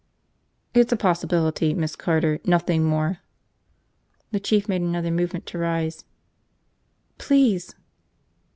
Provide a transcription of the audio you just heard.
"It's a possibility, Miss Carter, nothing more." The Chief made another movement to rise. "Please!"